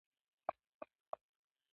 ایا اوبه مو تللې دي؟